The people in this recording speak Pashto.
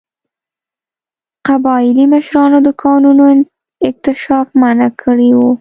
قبایلي مشرانو د کانونو اکتشاف منع کړی و.